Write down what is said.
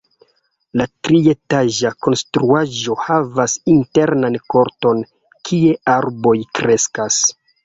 La trietaĝa konstruaĵo havas internan korton, kie arboj kreskas.